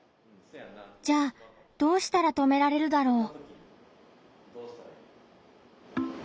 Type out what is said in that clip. じゃあどうしたら止められるだろう？